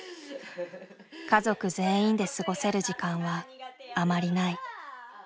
家族全員で過ごせる時間はあまりない。